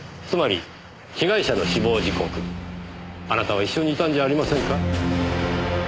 つまり被害者の死亡時刻あなたは一緒にいたんじゃありませんか？